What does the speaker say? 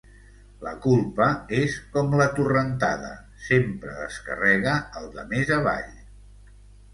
La culpa és com la torrentada: sempre descarrega al de més avall.